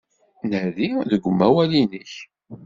Nadi deg umawal-nnek.